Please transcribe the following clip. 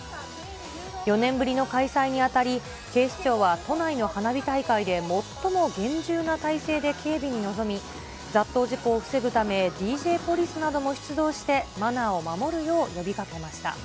４年ぶりの開催にあたり、警視庁は都内の花火大会で最も厳重な態勢で警備に臨み、雑踏事故を防ぐため、ＤＪポリスなども出動して、マナーを守るよう呼びかけました。